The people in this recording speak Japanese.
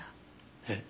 えっ？